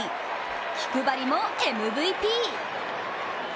気配りもＭＶＰ。